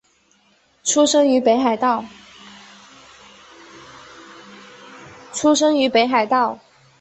出身于北海道。